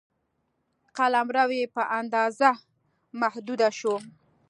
قلمرو یې په اندازه محدود شو.